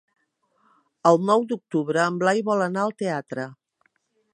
El nou d'octubre en Blai vol anar al teatre.